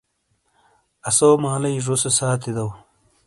اسو مالئی زو سے ساتی دو